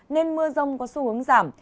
nên mưa rông có xu hướng giảm